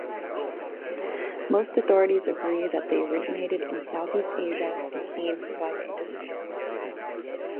Most authorities agree that they originated in Southeast Asia and came via Indonesia.